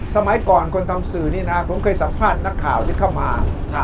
สมัยก่อนคนทำสื่อนี่นะผมเคยสัมภาษณ์นักข่าวที่เข้ามา